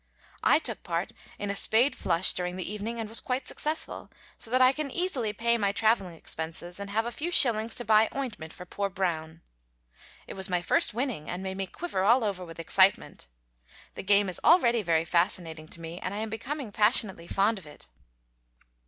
I took part in a spade flush during the evening and was quite successful, so that I can easily pay my traveling expenses and have a few shillings to buy ointment for poor Brown. It was my first winning, and made me quiver all over with excitement. The game is already very fascinating to me, and I am becoming passionately fond of it.